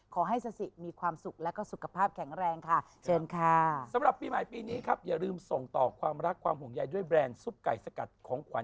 ขอให้ซาสิมีความสุขและก็สุขภาพแข็งแรงค่ะ